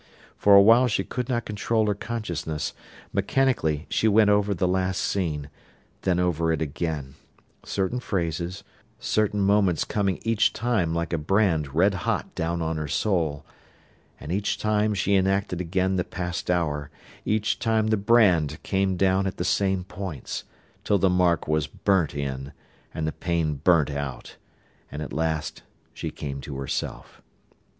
For a while she could not control her consciousness; mechanically she went over the last scene, then over it again, certain phrases, certain moments coming each time like a brand red hot down on her soul; and each time she enacted again the past hour, each time the brand came down at the same points, till the mark was burnt in, and the pain burnt out, and at last she came to herself.